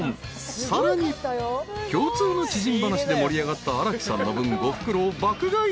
［さらに共通の知人話で盛り上がった荒木さんの分５袋を爆買い］